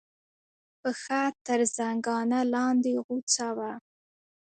پښه تر زنګانه لاندې غوڅه وه.